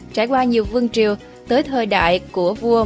trải qua nhiều vương triều tới thời đại của vua